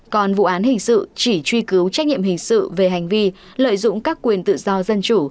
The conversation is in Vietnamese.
còn vụ án hình sự chỉ truy cứu trách nhiệm hình sự về hành vi lợi dụng các quyền tự do dân chủ